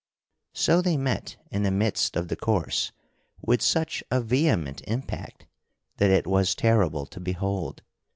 So they met in the midst of the course with such a vehement impact that it was terrible to behold.